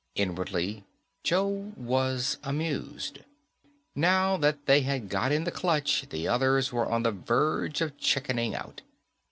Inwardly, Joe was amused. Now that they had got in the clutch, the others were on the verge of chickening out.